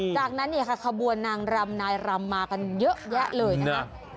จากนั้นขบวนนางรำนายรำมากันเยอะแยะเลยนะครับ